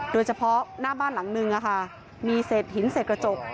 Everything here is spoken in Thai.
โดยเฉพาะหน้าบ้านหลังนึงมีเศษหินเศษกระจก